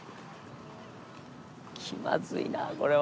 気まずいなこれは。